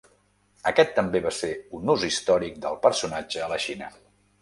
Aquest també va ser un ús històric del personatge a la Xina.